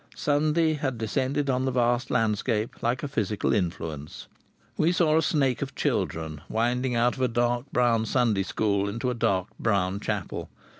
Sunday had descended on the vast landscape like a physical influence. We saw a snake of children winding out of a dark brown Sunday school into a dark brown chapel.